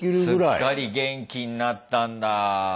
すっかり元気になったんだ。